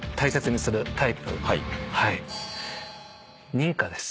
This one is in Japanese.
認可です。